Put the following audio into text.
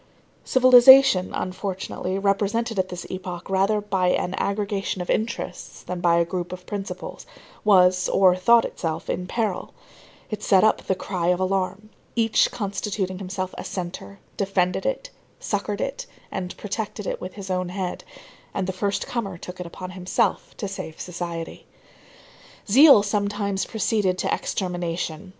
Civilization, unfortunately, represented at this epoch rather by an aggregation of interests than by a group of principles, was or thought itself, in peril; it set up the cry of alarm; each, constituting himself a centre, defended it, succored it, and protected it with his own head; and the first comer took it upon himself to save society. Zeal sometimes proceeded to extermination.